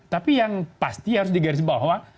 tapi yang pasti harus digarisin bahwa